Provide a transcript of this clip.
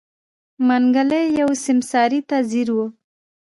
منګلی يوې سيمسارې ته ځير و.